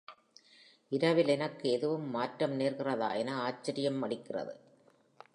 இரவில் எனக்கு எதுவும் மாற்றம் நேர்கிறதா என ஆச்சரியமளிக்கிறது?